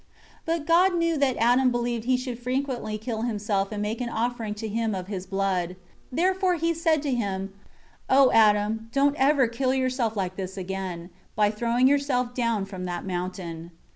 1 But God knew that Adam believed he should frequently kill himself and make an offering to Him of his blood. 2 Therefore He said to him, "O Adam, don't ever kill yourself like this again, by throwing yourself down from that mountain."